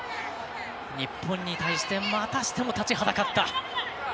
日本に対してまたしても立ちはだかった。